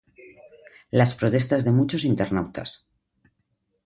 las protestas de muchos internautas